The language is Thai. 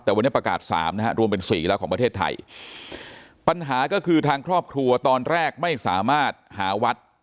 แต่วันนี้ประกาศสามนะฮะรวมเป็นสี่แล้วของประเทศไทยปัญหาก็คือทางครอบครัวตอนแรกไม่สามารถหาวัด